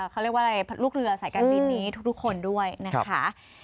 เขาเรียกว่าอะไรลูกเรือสายการบินนี้ทุกคนด้วยนะคะ